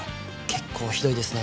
結構ひどいですね